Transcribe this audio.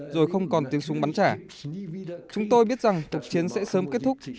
rồi không còn tiếng súng bắn trả chúng tôi biết rằng cuộc chiến sẽ sớm kết thúc